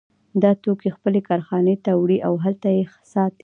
دا توکي خپلې کارخانې ته وړي او هلته یې ساتي